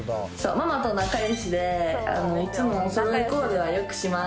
ママと仲良しでいつもお揃いコーデはよくします。